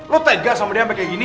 lo tega sama dia sampe gini